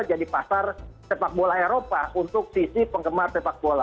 pasar sepak bola eropa untuk sisi penggemar sepak bola